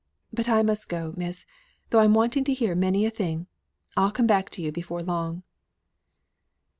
But I must go, miss, though I'm wanting to hear many a thing; I'll come back to you before long."